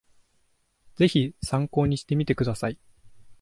ぜひ参考にしてみてください